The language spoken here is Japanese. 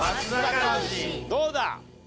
どうだ？